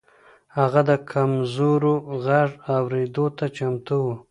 هغه د کمزورو غږ اورېدو ته چمتو و.